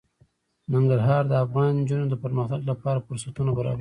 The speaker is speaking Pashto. ننګرهار د افغان نجونو د پرمختګ لپاره فرصتونه برابروي.